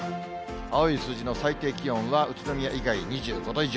青い数字の最低気温は宇都宮以外２５度以上。